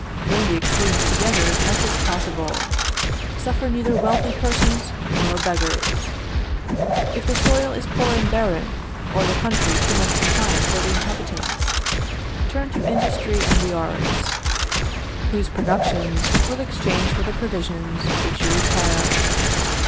Bring the extremes together as much as possible. Suffer neither wealthy persons nor beggars. "If the soil is poor and barren, or the country too much confined for the inhabitants, turn to industry and the arts, whose productions you will exchange for the provisions which you require....